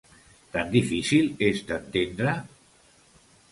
Tan difícil és d’entendre?